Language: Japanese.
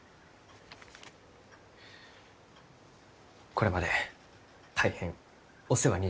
これまで大変お世話になりました。